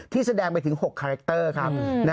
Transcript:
แสดงไปถึง๖คาแรคเตอร์ครับ